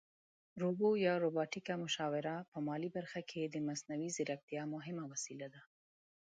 روبو یا روباټیکه مشاوره په مالي برخه کې د مصنوعي ځیرکتیا مهمه وسیله ده